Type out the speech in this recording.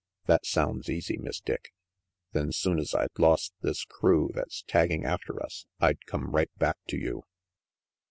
That sounds easy, Miss Dick. Then, soon's I'd lost this crew that's tagging after us, I'd come right back to you."